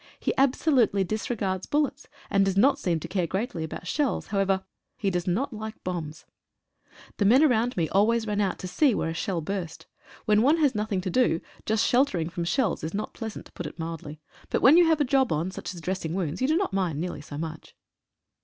He absolutely disregards bul lets, and does not seem to care greatly about shells. However, he does not like bombs. The men round me always ran out to see where a shell burst. When one lias nothing to do, just sheltering from shells is not 38 A REGULAR COMMISSION. pleasant, to put it mildly, but when you have a job on, such as dressing wounds, you do not mind nearly so much.